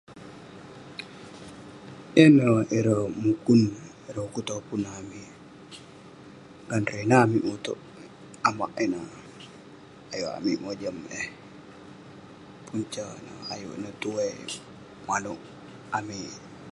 yan neh ireh mukun, ireh ukun topun amik ,ngan ireh amik mutouk amak ineh ayuk amik mojam eh punca neh ayuk neh tuai manouk amik